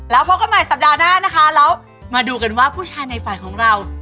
แล้วพบกันใหม่สัปดาห์หน้านะคะแล้วมาดูกันว่าผู้ชายในฝ่ายของเรา